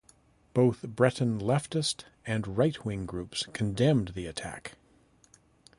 Both Breton leftist and right wing groups condemned the attack.